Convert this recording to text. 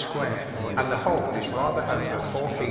square, and the whole is rather over 4ft.